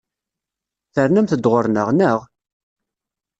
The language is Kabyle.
Ternamt-d ɣur-neɣ, naɣ?